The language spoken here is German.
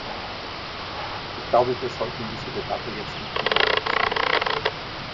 Ich glaube, wir sollten diese Debatte jetzt nicht wieder eröffnen.